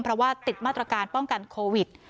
เพราะว่าติดมาตรการป้องกันโควิด